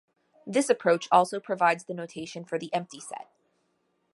This approach also provides the notation for the empty set.